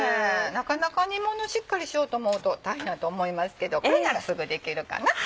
なかなか煮ものしっかりしようと思うと大変やと思いますけどこれならすぐできるかな。